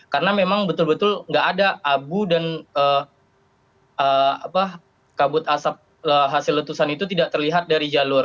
karena memang betul betul nggak ada abu dan kabut asap hasil letusan itu tidak terlihat dari jalur